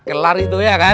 kelar itu ya kan